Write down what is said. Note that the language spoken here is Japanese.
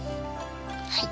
はい。